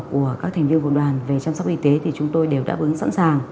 của các thành viên của đoàn về chăm sóc y tế thì chúng tôi đều đáp ứng sẵn sàng